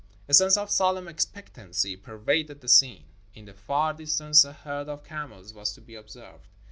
A sense of solemn expectancy pervaded the scene. In the far distance a herd of camels was to be observed.